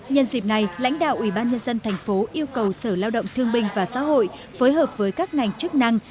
nhân dịp này lãnh đạo ủy ban nhân dân thành phố yêu cầu sở lao động thương binh và xã hội phối hợp với các ngành chức năng